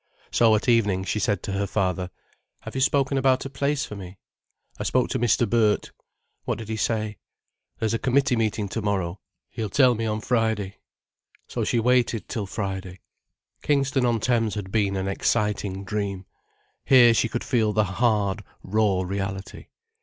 So at evening she said to her father: "Have you spoken about a place for me?" "I spoke to Mr. Burt." "What did he say?" "There's a committee meeting to morrow. He'll tell me on Friday." So she waited till Friday. Kingston on Thames had been an exciting dream. Here she could feel the hard, raw reality.